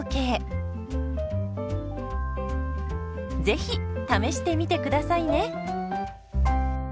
ぜひ試してみてくださいね。